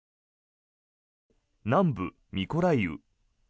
南部ミコライウ。